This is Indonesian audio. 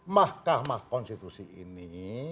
mahkamah konstitusi ini